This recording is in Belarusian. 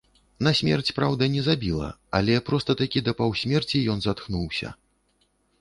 Насмерць, праўда, не забіла, але проста такі да паўсмерці ён затхнуўся.